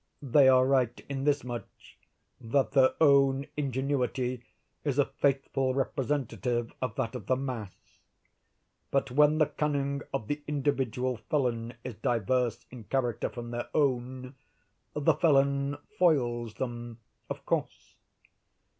They are right in this much—that their own ingenuity is a faithful representative of that of the mass; but when the cunning of the individual felon is diverse in character from their own, the felon foils them, of course.